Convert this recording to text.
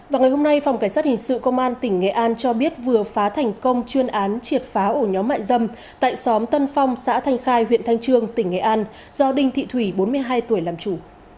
vào ngày hôm nay phòng cảnh sát hình sự công an tỉnh nghệ an cho biết vừa phá thành công chuyên án triệt phá ổ nhóm mại dâm tại xóm tân phong xã thanh khai huyện thanh trương tỉnh nghệ an do đinh thị thủy bốn mươi hai tuổi làm chủ